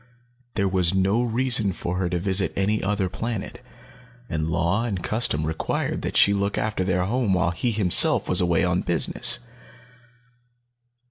There was no reason for her to visit any other planet, and law and custom required that she look after their home while he himself was away on business.